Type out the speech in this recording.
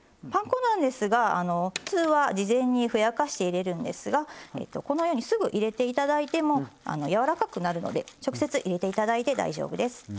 パン粉なんですが普通は事前にふやかして入れるんですがこのようにすぐ入れていただいてもやわらかくなるので直接入れていただいて大丈夫です。